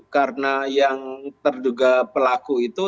karena yang terduga pelaku itu